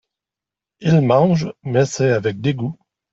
Il mange, mais c'est avec dégoût.